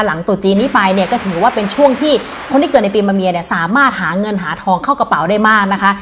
ตุจีนนี้ไปเนี่ยก็ถือว่าเป็นช่วงที่คนที่เกิดในปีมะเมียเนี่ยสามารถหาเงินหาทองเข้ากระเป๋าได้มากนะคะ